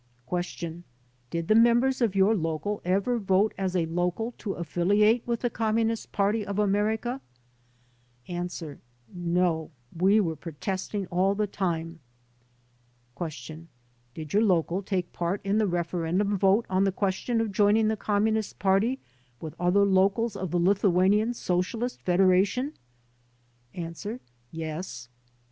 "Did the members of your local ever vote as a local to affiliate with the Communist Party of America?" 58 THE DEPORTATION CASES A. "No, we were protesting all the time;'' Q. "Did your local take part in the referendum vote on the question of joining the G)mmunist Party with other locals of &e Lithuanian Socialist Federation?" A. "Yes."